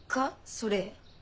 それ。